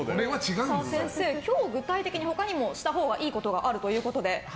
先生、今日は具体的に他にもしたほうがいいことがあるということで。